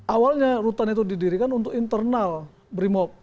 awalnya rutan itu didirikan untuk internal brimop